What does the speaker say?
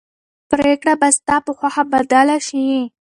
پرېکړه به ستا په خوښه بدله شي.